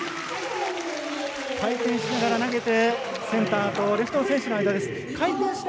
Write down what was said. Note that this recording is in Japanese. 回転しながら投げてセンターとレフトの選手の間でした。